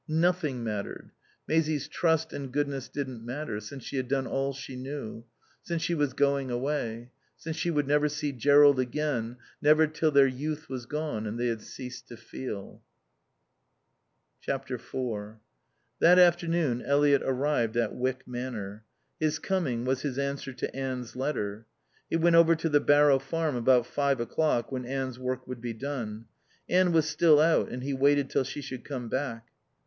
Nothing mattered. Maisie's trust and goodness didn't matter, since she had done all she knew; since she was going away; since she would never see Jerrold again, never till their youth was gone and they had ceased to feel. iv That afternoon Eliot arrived at Wyck Manor. His coming was his answer to Anne's letter. He went over to the Barrow Farm about five o'clock when Anne's work would be done. Anne was still out, and he waited till she should come back.